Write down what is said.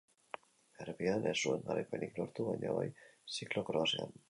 Errepidean ez zuen garaipenik lortu, baina bai ziklo-krosean.